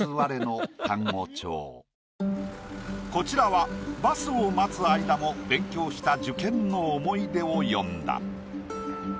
こちらはバスを待つ間も勉強した受験の思い出を詠んだ。